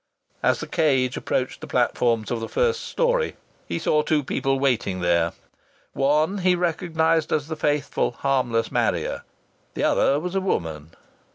As the cage approached the platforms of the first story he saw two people waiting there; one he recognized as the faithful, harmless Marrier; the other was a woman.